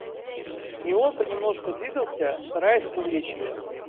И он понемножку двигался, стараясь увлечь ее.